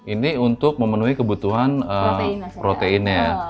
ini untuk memenuhi kebutuhan proteinnya